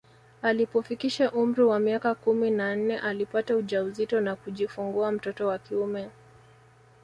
Alipofikisha umri wa miaka kumi na nne alipata ujauzito na kujifungua mtoto wa kiume